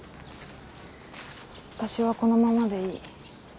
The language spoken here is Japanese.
私はこのままでいい。